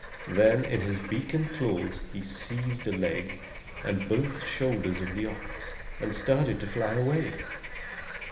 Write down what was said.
Then in his beak and claws he seized a leg and both shoulders of the ox, and started to fly away.